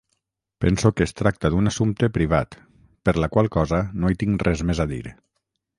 Penso que es tracta d'un assumpte privat, per la qual cosa no hi tinc res més a dir.